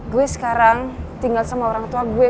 gue sekarang tinggal sama orang tua gue